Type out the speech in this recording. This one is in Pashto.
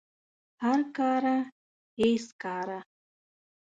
هر کاره هیڅ کاره